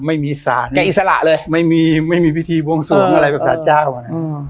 ไม่มีศาลเป็นอิสระเลยไม่มีไม่มีพิธีบวงสวงอะไรแบบสารเจ้าอ่ะนะ